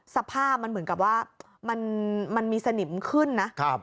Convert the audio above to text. สภาพมันเหมือนกับว่ามันมีสนิมขึ้นนะ